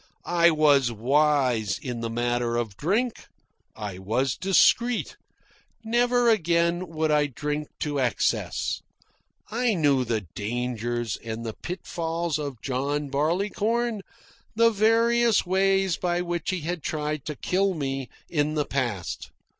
I was wise in the matter of drink. I was discreet. Never again would I drink to excess. I knew the dangers and the pitfalls of John Barleycorn, the various ways by which he had tried to kill me in the past.